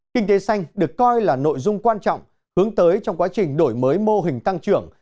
kinh tế xanh được coi là nội dung quan trọng hướng tới trong quá trình đổi mới mô hình tăng trưởng